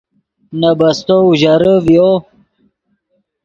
نے بستو اوژرے ڤیو